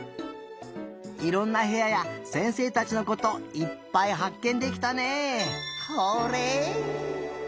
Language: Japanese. いろんなへやや先生たちのこといっぱいはっけんできたね！